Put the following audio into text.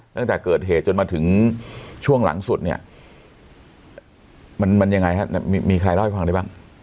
ตั้งแต่เกิดเหตุจนมาถึงช่วงหลังสุดเนี่ยมันยังไงฮะมีใครเล่าให้ฟังได้บ้าง